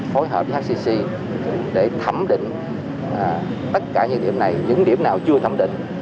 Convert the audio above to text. phối hợp với hcc để thẩm định tất cả những điểm này những điểm nào chưa thẩm định